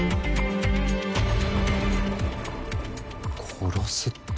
殺すって。